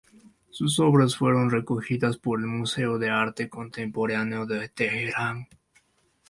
Sus obras fueron recogidas por el Museo de Arte Contemporáneo de Teherán.